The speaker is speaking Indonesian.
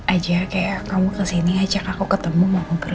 aja kayak kamu kesini ngajak aku ketemu mau ngumpulin apa di